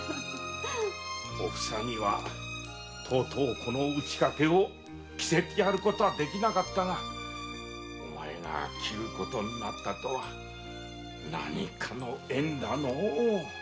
おふさにはこの打ち掛けを着せてやることはできなかったがお前が着ることになったとは何かの縁だのう。